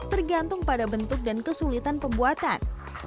tergantung pada bentuk dan kesulitan pembuatan